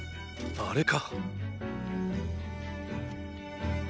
あれか。